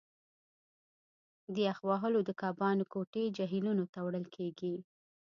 د یخ وهلو د کبانو کوټې جهیلونو ته وړل کیږي